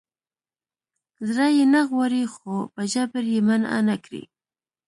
زړه یې نه غواړي خو په جبر یې منع نه کړي.